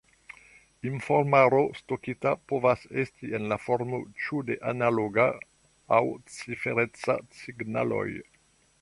Informaro stokita povas esti en la formo ĉu de analoga aŭ cifereca signaloj.